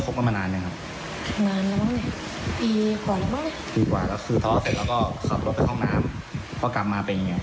ก็เห็นสภาพรองการอ่ะ